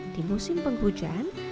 di musim penghujan